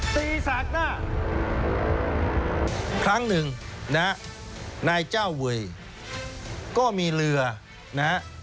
ตีแสงหน้าครั้งหนึ่งนะนายเจ้าเวยก็มีเรือนะ